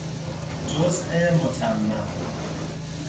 جزء متمم